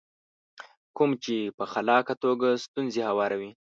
کوم چې په خلاقه توګه ستونزې هواروي.